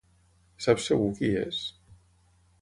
Sap segur qui és?